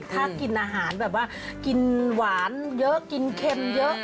ถ้ากินอาหารแบบว่ากินหวานเยอะกินเค็มเยอะ